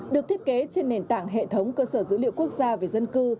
được thiết kế trên nền tảng hệ thống cơ sở dữ liệu quốc gia về dân cư